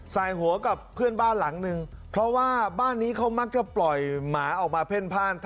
ใส่หัวกับเพื่อนบ้านหลังนึงเพราะว่าบ้านนี้เขามักจะปล่อยหมาออกมาเพ่นพ่าน